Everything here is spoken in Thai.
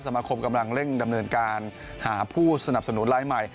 มาคมกำลังเร่งดำเนินการหาผู้สนับสนุนรายใหม่